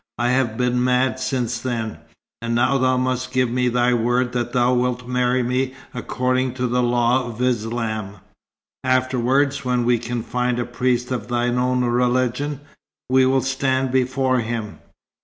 I have been mad since then. And now thou must give me thy word that thou wilt marry me according to the law of Islam. Afterwards, when we can find a priest of thine own religion, we will stand before him."